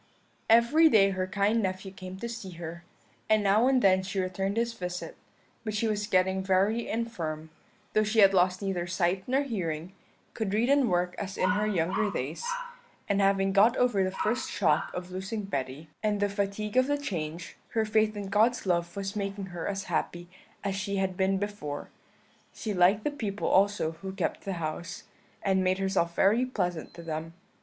"Every day her kind nephew came to see her, and now and then she returned his visit; but she was getting very infirm, though she had lost neither sight nor hearing, could read and work as in her younger days, and having got over the first shock of losing Betty, and the fatigue of the change, her faith in God's love was making her as happy as she had been before; she liked the people also who kept the house, and made herself very pleasant to them.